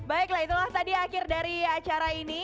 baiklah itulah tadi akhir dari acara ini